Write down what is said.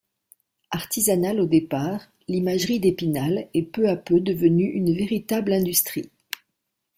Artisanale au départ, l'imagerie d'Épinal est peu à peu devenue une véritable industrie.